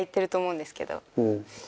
うん。